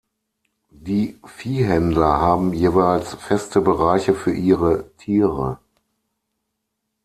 Die Viehhändler haben jeweils feste Bereiche für ihre Tiere.